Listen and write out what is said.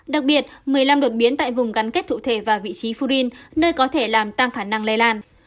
đặc biệt một mươi năm đột biến tại vùng gắn kết cụ thể và vị trí furin nơi có thể làm tăng khả năng lây lan